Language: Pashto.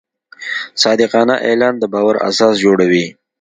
صادقانه اعلان د باور اساس جوړوي.